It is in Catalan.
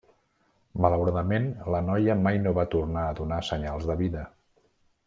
Malauradament la noia mai no va tornar a donar senyals de vida.